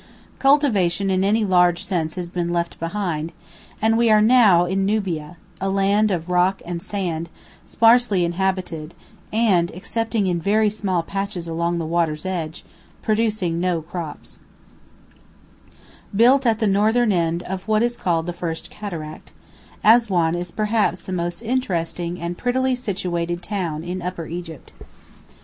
Cultivation in any large sense has been left behind, and we are now in Nubia, a land of rock and sand, sparsely inhabited, and, excepting in very small patches along the water's edge, producing no crops. [Illustration: FIRST CATARACT FROM ELEPHANTINE ISLAND.] Built at the northern end of what is called the first cataract, Assuan is perhaps the most interesting and prettily situated town in Upper Egypt.